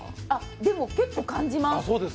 でも結構、感じます。